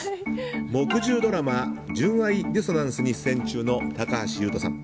木１０ドラマ「純愛ディソナンス」に出演中の高橋優斗さん。